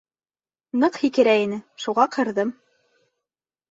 — Ныҡ һикерә ине, шуға ҡырҙым.